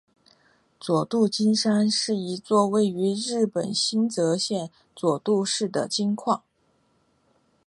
佐渡金山是一座位于日本新舄县佐渡市的金矿。